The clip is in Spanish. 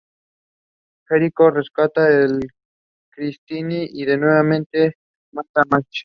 Jericho rescata a Christine y nuevamente mata a Marge.